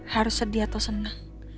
harus sedih atau senang